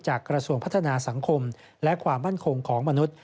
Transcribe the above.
กระทรวงพัฒนาสังคมและความมั่นคงของมนุษย